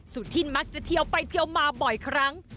สุธินมักจะเที่ยวไปเที่ยวมาบ่อยครั้ง